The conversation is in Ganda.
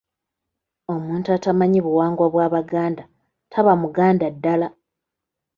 Omuntu atamanyi buwangwa bwa Baganda taba Muganda ddala.